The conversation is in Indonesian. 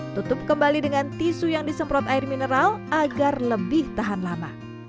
tutup kembali dengan tisu yang disemprot air mineral agar lebih tahan lama